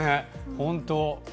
本当。